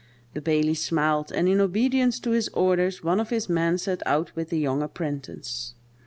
The baillie smiled, and, in obedience to his orders, one of his men set out with the young apprentice.